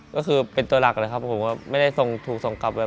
ก็คือเป็นตัวหลักเลยครับผมก็ไม่ได้ส่งถูกส่งกลับเลย